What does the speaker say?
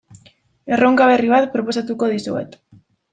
Erronka berri bat proposatuko dizuet.